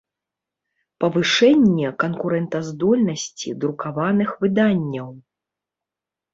Павышэнне канкурэнтаздольнасцi друкаваных выданняў.